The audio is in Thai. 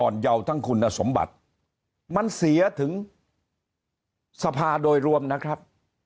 เยาว์ทั้งคุณสมบัติมันเสียถึงสภาโดยรวมนะครับ